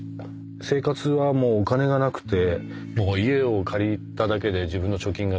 生活はもうお金がなくて家を借りただけで自分の貯金が尽きて。